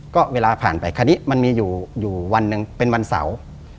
ก็เวลาผ่านไปคราวนี้มันมีอยู่วันหนึ่งเป็นวันเสาร์